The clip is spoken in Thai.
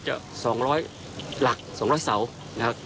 จะ๒๐๐หลัก๒๐๐เสา